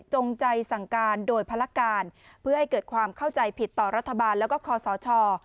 ใจสั่งการโดยภารการเพื่อให้เกิดความเข้าใจผิดต่อรัฐบาลแล้วก็คอสช